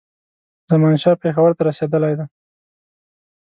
زمانشاه پېښور ته رسېدلی دی.